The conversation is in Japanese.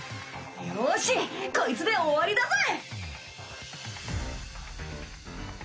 よしこいつで終わりだぜ！